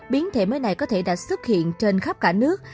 biến thể mới này có thể đã xuất hiện trên khắp cả nước